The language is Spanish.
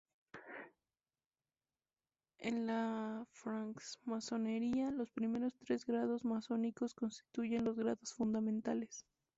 En la francmasonería, los primeros tres grados masónicos constituyen los grados fundamentales.